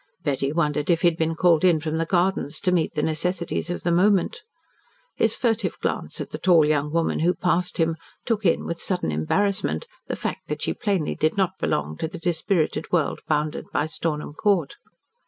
Betty wondered if he had been called in from the gardens to meet the necessities of the moment. His furtive glance at the tall young woman who passed him, took in with sudden embarrassment the fact that she plainly did not belong to the dispirited world bounded by Stornham Court.